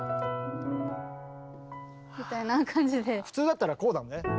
普通だったらこうだもんね。